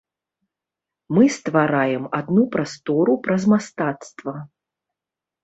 Мы ствараем адну прастору праз мастацтва.